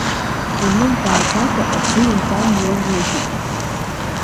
Имырбааӡакәа аӡы ирган иоурыжьит.